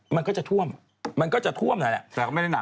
มันก็จะท่วมเหนือแหละ